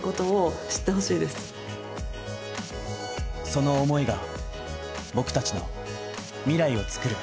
その思いが僕達の未来をつくる